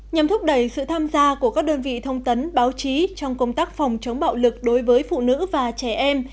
nhằm thúc đẩy sự tham gia của các đơn vị thông tấn báo chí trong công tác phòng chống bạo lực đối với phụ nữ và trẻ em